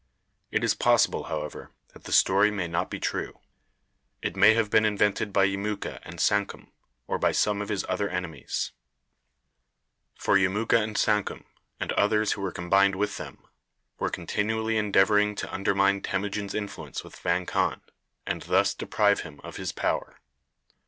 It is possible, however, that the story may not be true. It may have been invented by Yemuka and Sankum, or by some of his other enemies. For Yemuka and Sankum, and others who were combined with them, were continually endeavoring to undermine Temujin's influence with Vang Khan, and thus deprive him of his power.